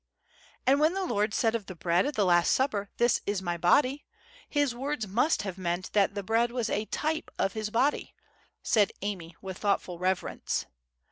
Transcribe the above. _'" "And when the Lord said of the bread at the last supper, This is My body, His words must have meant that the bread was a TYPE of His body," said Amy with thoughtful reverence.